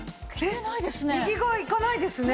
来てないですね。